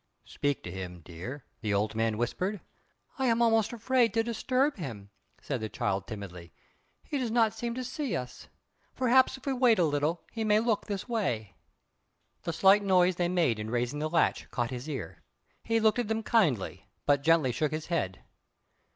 "Speak to him, dear," the old man whispered. "I am almost afraid to disturb him," said the child timidly. "He does not seem to see us. Perhaps if we wait a little he may look this way." The slight noise they made in raising the latch caught his ear. He looked at them kindly, but gently shook his head.